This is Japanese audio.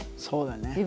そうだね。